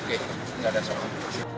tidak ada soal